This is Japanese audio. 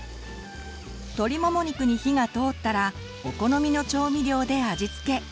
鶏もも肉に火が通ったらお好みの調味料で味つけ。